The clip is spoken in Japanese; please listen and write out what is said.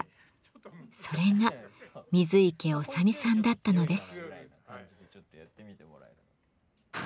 それが水池長弥さんだったのです。